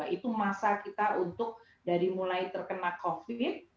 itu masa kita untuk dari mulai terkena covid